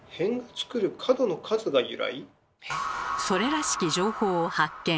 それらしき情報を発見。